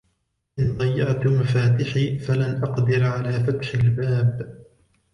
إن ضيعت مفتاحي، فلن أقدر على فتح الباب.